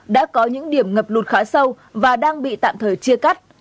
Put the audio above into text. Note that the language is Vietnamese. đã có những điểm ngập lụt khá sâu và đang bị tạm thời chia cắt